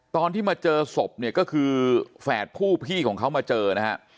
ตอนที่มาเจอศพเนี่ยก็คือแฝดผู้พี่ของเขามาเจอนะฮะ